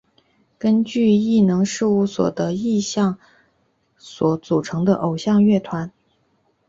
根据艺能事务所的意向所组成的偶像乐团。